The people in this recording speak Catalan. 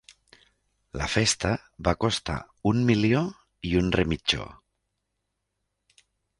La festa va costar un milió i un remitjó.